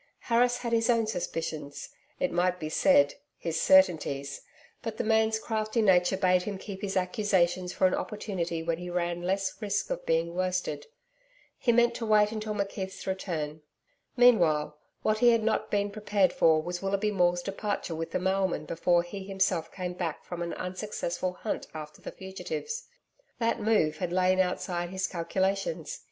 Harris had his own suspicions it might be said, his certainties, but the man's crafty nature bade him keep his accusations for an opportunity when he ran less risk of being worsted. He meant to wait until McKeith's return. Meanwhile what he had not been prepared for was Willoughby Maule's departure with the mailman before he himself came back from an unsuccessful hunt after the fugitives. That move had lain outside his calculations.